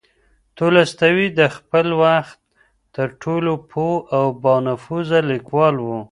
تولستوی د خپل وخت تر ټولو پوه او با نفوذه لیکوال و.